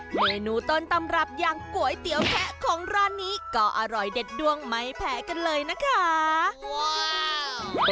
เมนูต้นตำรับอย่างก๋วยเตี๋ยวแคะของร้านนี้ก็อร่อยเด็ดดวงไม่แพ้กันเลยนะคะว้าว